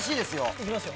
行きますよ。